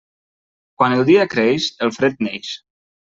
Quan el dia creix, el fred neix.